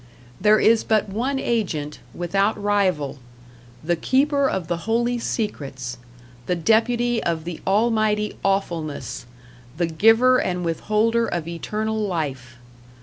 There is but one agent, without rival the Keeper of the Holy Secrets, the Deputy of the Almighty Awfulness, the Giver and Withholder of Eternal Life.